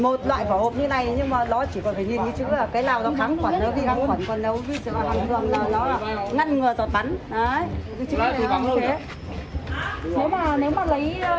một loại của hộp như này nhưng mà nó chỉ có phải nhìn cái chữ là cái nào nó kháng khoản nó ghi găng khoản